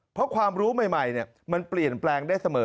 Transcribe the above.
เพราะความรู้ใหม่มันเปลี่ยนแปลงได้เสมอ